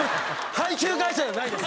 配給会社じゃないです。